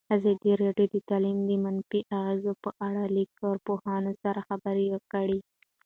ازادي راډیو د تعلیم د منفي اغېزو په اړه له کارپوهانو سره خبرې کړي.